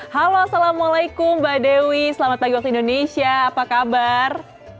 halo assalamualaikum mbak dewi selamat pagi waktu indonesia apa kabar